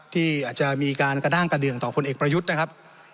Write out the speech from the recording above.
ที่อาจจะมีการกระด้างกระเดืองต่อพลเอกประยุทธ์นะครับ